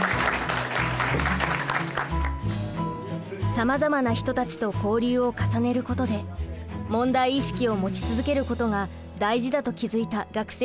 さまざまな人たちと交流を重ねることで問題意識を持ち続けることが大事だと気付いた学生たち。